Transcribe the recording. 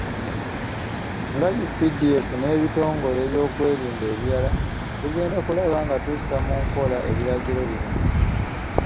Nga UPDF n'ebitongole by'ebyokwerinda ebirala, tugenda kulaba nga tussa mu nkola ebiragiro bino.